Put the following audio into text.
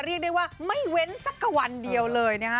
เรียกได้ว่าไม่เว้นสักกับวันเดียวเลยนะฮะ